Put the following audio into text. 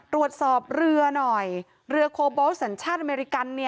ตรวจสอบเรือหน่อยเรือโคโบสสัญชาติอเมริกัน